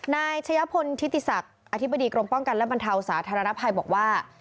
นายชะยะพลทิติศักดิ์อธิบดีกรมป้องกันและบรรเทาสาธารณภัยบอกว่า